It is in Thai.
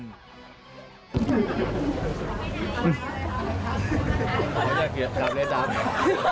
ขออย่างเกียรติประมาณนี้